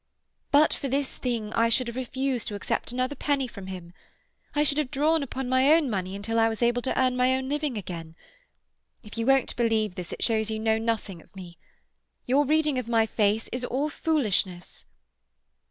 But for this thing I should have refused to accept another penny from him. I should have drawn upon my own money until I was able to earn my own living again. If you won't believe this it shows you know nothing of me. Your reading of my face is all foolishness."